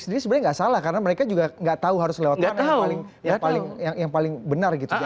sebenarnya tidak salah karena mereka juga tidak tahu harus lewat mana yang paling benar